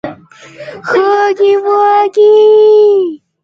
When someone is under stress, they may feel overwhelmed, anxious, or tense.